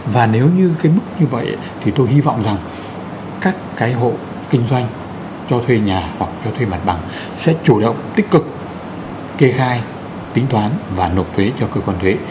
và nếu như cái mức như vậy thì tôi hy vọng rằng các cái hộ kinh doanh cho thuê nhà hoặc cho thuê mặt bằng sẽ chủ động tích cực kê khai tính toán và nộp thuế cho cơ quan thuế